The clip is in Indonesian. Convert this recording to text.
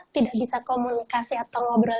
tidak bisa komunikasi atau ngobrol